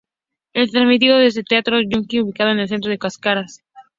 Es transmitido desde el Teatro Junín, ubicado en el centro de Caracas.